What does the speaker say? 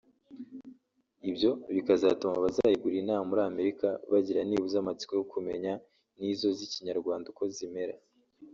Ibyo bikazatuma abazayigura inaha muri Amerika bagira nibuze amatsiko yo kumenya n’izo zikinyarwanda uko zimera